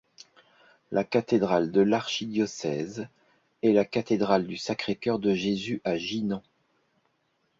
La cathédrale de l'archidiocèse est la cathédrale du Sacré-Cœur de Jésus à Jinan.